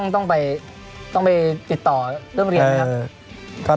ต้องไปติดต่อเรื่องเรียนไหมครับ